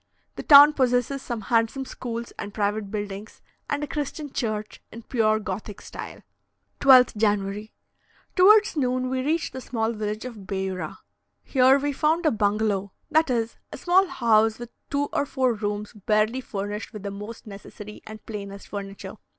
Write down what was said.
The town possesses some handsome schools and private buildings, and a Christian church, in pure Gothic style. 12th January. Towards noon, we reached the small village of Beura. Here we found a bungalow; that is, a small house with two or four rooms barely furnished with the most necessary and plainest furniture.